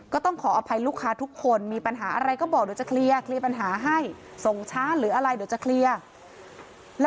ก็ต้องขออภัยลูกค้าทุกคนมีปัญหาอะไรก็บอกเดี๋ยวก็จะเคลียร์